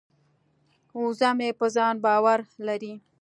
وزه مې په ځان باور لري.